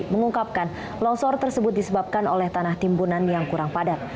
mengungkapkan longsor tersebut disebabkan oleh tanah timbunan yang kurang padat